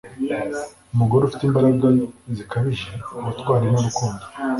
umugore ufite imbaraga zikabije, ubutwari nurukundo,